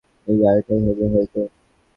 এই গাড়িটাই হবে হয়তো।